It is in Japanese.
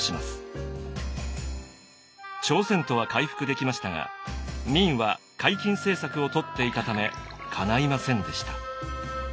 朝鮮とは回復できましたが明は海禁政策をとっていたためかないませんでした。